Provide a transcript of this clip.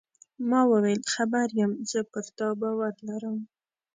ما وویل: خبر یم، زه پر تا باور لرم.